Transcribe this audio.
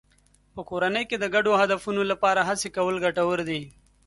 په کورنۍ کې د ګډو هدفونو لپاره هڅې کول ګټور دي.